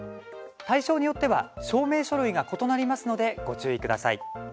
対象によっては証明書類が異なりますので、ご注意ください。